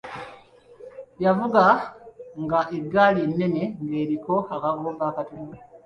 Yavuga nga eggaali ennene nga eriko akagoombe akatono.